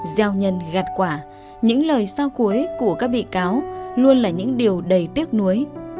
gieo nhân gạt quả những lời sau cuối của các bị cáo luôn là những điều đầy tiếc nuối